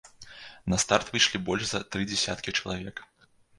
На старт выйшлі больш за тры дзясяткі чалавек.